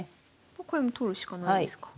これも取るしかないですか。